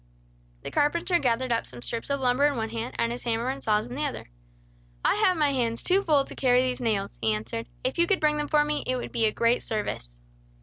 The carpenter gathered up some strips of lumber in one hand, and his hammer and saws in the other. "I have my hands too full to carry these nails," he answered. "If you could bring them for me, it would be a great service."